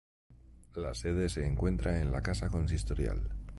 La sede se encuentra en la casa consistorial.